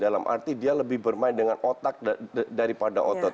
dalam arti dia lebih bermain dengan otak daripada otot